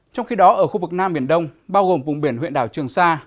trong khi đó ở khu vực nam biển đông bao gồm vùng biển huyện đảo trường sa